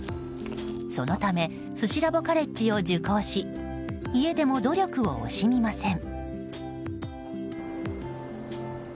そのためスシラボカレッジを受講し家でも努力を惜しみません。